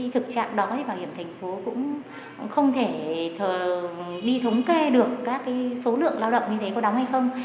thực trạng đó thì bảo hiểm thành phố cũng không thể đi thống kê được các số lượng lao động như thế có đóng hay không